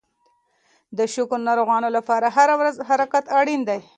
د شکر ناروغانو لپاره هره ورځ حرکت اړین دی.